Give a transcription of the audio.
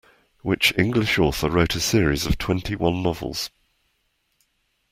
Which English author wrote a series of twenty-one novels?